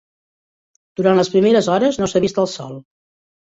Durant les primeres hores no s'ha vist el sol.